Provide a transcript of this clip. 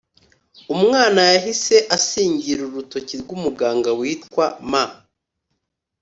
umwana yahise asingira urutoki rw’umuganga witwa M